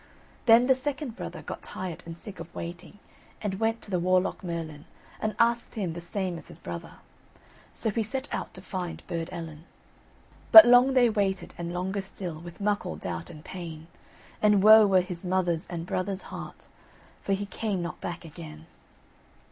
Then the second brother got tired and sick of waiting, and he went to the Warlock Merlin and asked him the same as his brother. So he set out to find Burd Ellen. But long they waited, and longer still, With muckle doubt and pain, And woe were his mother's and brother's heart, For he came not back again.